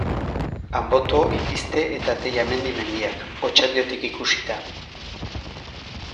Anboto, Ipizte eta Tellamendi mendiak, Otxandiotik ikusita.